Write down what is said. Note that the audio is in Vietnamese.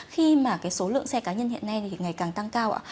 khi mà số lượng xe cá nhân hiện nay thì ngày càng tăng cao